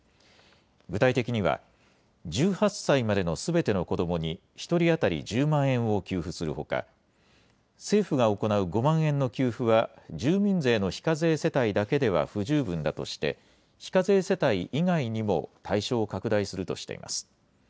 具体的には、１８歳までのすべての子どもに１人当たり１０万円を給付するほか、政府が行う５万円の給付は住民税の非課税世帯だけでは不十分だとして、非課税世帯以外にも対象を拡大するとしています。